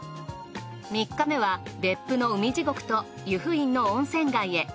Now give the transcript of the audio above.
３日目は別府の海地獄と由布院の温泉街へ。